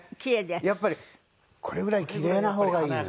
やっぱりこれぐらい奇麗な方がいい。